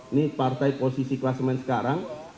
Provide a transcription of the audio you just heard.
ini partai posisi klasemen sekarang